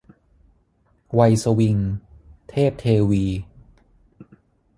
วัยสวิง - เทพเทวี